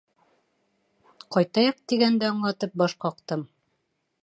Ҡайтайыҡ, тигәнде аңлатып баш ҡаҡтым.